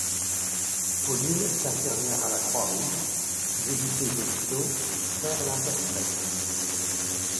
Pauline est infirmière à la Croix-Rouge, visite les hôpitaux, sert d'interprète.